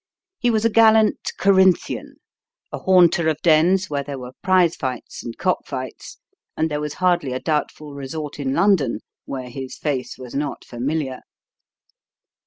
He was a gallant "Corinthian," a haunter of dens where there were prize fights and cock fights, and there was hardly a doubtful resort in London where his face was not familiar.